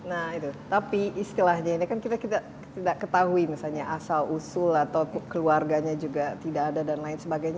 nah itu tapi istilahnya ini kan kita tidak ketahui misalnya asal usul atau keluarganya juga tidak ada dan lain sebagainya